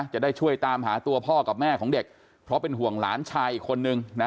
จะได้ช่วยตามหาตัวพ่อกับแม่ของเด็กเพราะเป็นห่วงหลานชายอีกคนนึงนะ